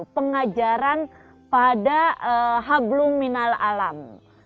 pengajaran pada habluminal alam